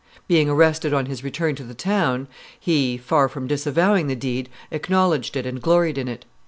Being arrested on his return to the town, he, far from disavowing the deed, acknowledged it and gloried in it.